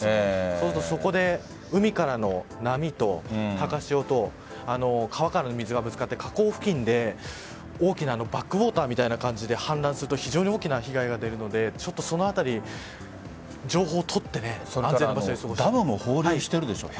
そうすると、そこで海からの波と高潮と川からの水が集まって河口付近で大きなバックウォーターみたいな感じで判断すると非常に大きな影響が出るので情報を取って安全な場所で過ごしてほしい。